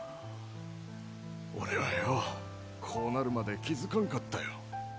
俺はようこうなるまで気付かんかったよ。